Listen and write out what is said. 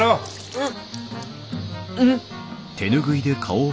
うん？